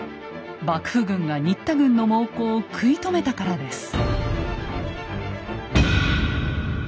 幕府軍が新田軍の猛攻を食い止めたからです。